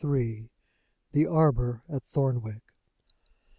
THE ARBOR AT THORNWICK.